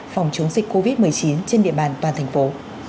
phòng chống dịch covid một mươi chín trên địa bàn toàn thành phố